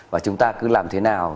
và chúng ta cứ làm thế nào